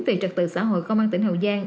về trật tự xã hội công an tỉnh hậu giang